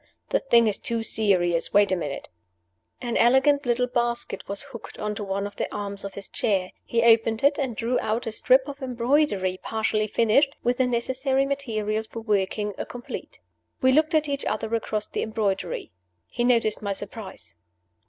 The thing is too serious. Wait a minute!" An elegant little basket was hooked on to one of the arms of his chair. He opened it, and drew out a strip of embroidery partially finished, with the necessary materials for working, a complete. We looked at each other across the embroidery. He noticed my surprise.